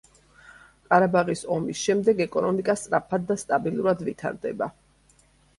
ყარაბაღის ომის შემდეგ ეკონომიკა სწრაფად და სტაბილურად ვითარდება.